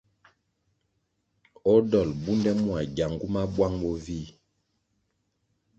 O dolʼ bunde mua gyangu ma buang bo vih.